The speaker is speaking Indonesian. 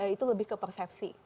itu lebih ke persepsi